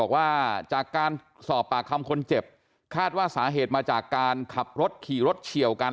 บอกว่าจากการสอบปากคำคนเจ็บคาดว่าสาเหตุมาจากการขับรถขี่รถเฉียวกัน